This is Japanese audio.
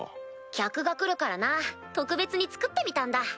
客が来るからな特別に作ってみたんだ。